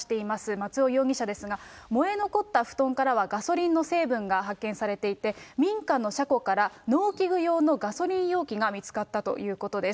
松尾容疑者ですが、燃え残った布団からは、ガソリンの成分が発見されていて、民家の車庫から農機具用のガソリン容器が見つかったということです。